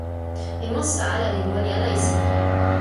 mi monsuta ala li moli ala e sina.